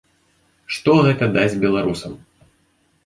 Што гэта дасць беларусам?